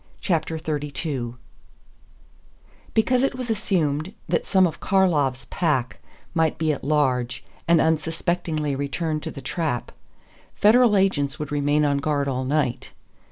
CHAPTER XXXII Because it was assumed that some of Karlov's pack might be at large and unsuspectingly return to the trap, Federal agents would remain on guard all night.